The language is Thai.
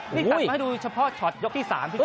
นี่กลับมาให้ดูเฉพาะช็อตยกที่๓พี่ก